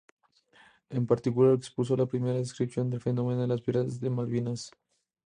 En particular, expuso la primera descripción del fenómeno de las piedras de las Malvinas.